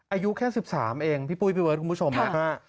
อายุแค่๑๓เองพี่ปุ้ยพี่เบิร์ดคุณผู้ชมฮะ